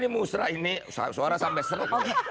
kita ini musrah ini suara sampai seru